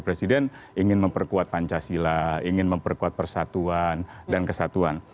presiden ingin memperkuat pancasila ingin memperkuat persatuan dan kesatuan